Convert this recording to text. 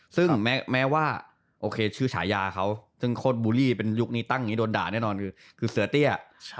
ซึ่งแม้ว่าชื่อฉายาเขาซึ่งโคตรบูรรย์เป็นยุคนี้ตั้งใดด่าแน่นอนคือเสือเตี้ย